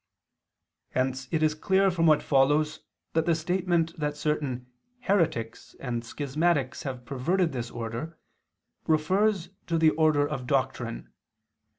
Hence it is clear from what follows that the statement that certain "heretics" and "schismatics have perverted this order" refers to the order of doctrine.